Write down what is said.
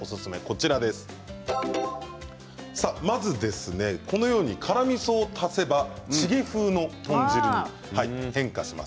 月村さんのおすすめは辛みそを足せばチゲ風の豚汁に変化します。